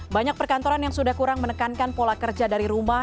banyak perkantoran yang sudah kurang menekankan pola kerja dari rumah